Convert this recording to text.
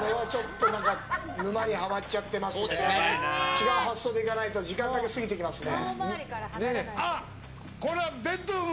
違う発想でいかないと時間だけ過ぎますね。